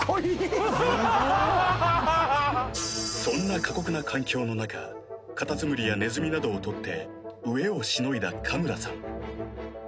そんな過酷な環境の中カタツムリやネズミなどをとって飢えをしのいだ加村さん